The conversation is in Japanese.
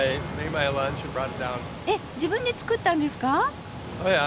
えっ自分で作ったんですか？